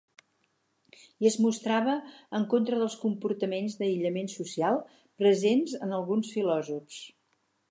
I es mostrava en contra dels comportaments d'aïllament social, presents en alguns filòsofs.